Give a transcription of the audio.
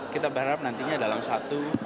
kita berharap nantinya dalam satu